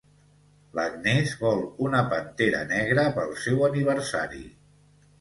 L'Agnès vol una pantera negra pel seu aniversari.